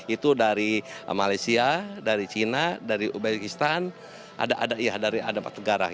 itu dari malaysia dari china dari uzbekistan ada empat negara